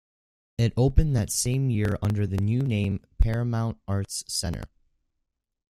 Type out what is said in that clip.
It opened that same year under the new name "Paramount Arts Center".